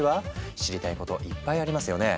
知りたいこといっぱいありますよね？